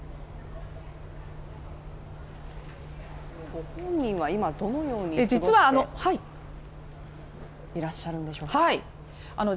ご本人は今、どのように過ごしていらっしゃるんでしょうか？